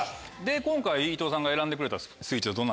今回伊藤さんが選んでくれたスイーツは？